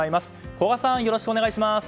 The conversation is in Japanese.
古賀さん、よろしくお願いします。